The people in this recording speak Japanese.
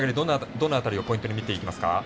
どの辺りをポイントに見ていきますか？